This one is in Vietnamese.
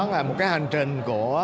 là một cái hành trình của